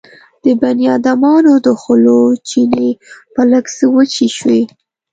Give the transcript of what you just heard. د بنيادمانو د خولو چينې به لږ څه وچې شوې.